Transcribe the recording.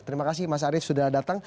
terima kasih mas arief sudah datang